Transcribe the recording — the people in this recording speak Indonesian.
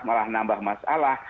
malah menambah masalah